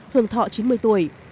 hưởng thọ chín mươi tuổi